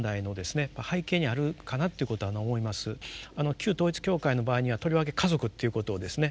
旧統一教会の場合にはとりわけ家族ということをですね